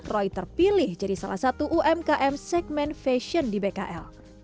roy terpilih jadi salah satu umkm segmen fashion di bkl